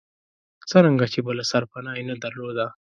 څرنګه چې بله سرپناه یې نه درلوده.